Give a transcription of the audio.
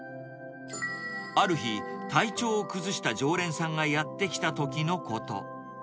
ある日、体調を崩した常連さんがやって来たときのこと。